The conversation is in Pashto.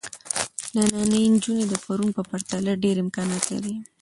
نننۍ نجونې د پرون په پرتله ډېر امکانات لري.